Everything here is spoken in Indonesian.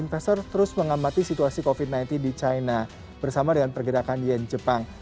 investor terus mengamati situasi covid sembilan belas di china bersama dengan pergerakan yen jepang